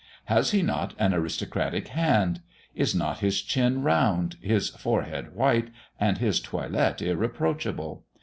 Has he not an aristocratic hand? Is not his chin round, his forehead white, and his toilet irreproachable?